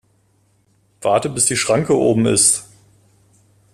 Warte bis die Schranke oben ist!